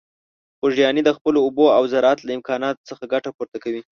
خوږیاڼي د خپلو اوبو او زراعت له امکاناتو څخه ګټه پورته کوي.